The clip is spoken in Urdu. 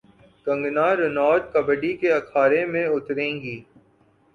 کنگنا رناوٹ کبڈی کے اکھاڑے میں اتریں گی